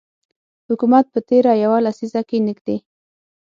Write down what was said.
حکومت په تیره یوه لسیزه کې نږدې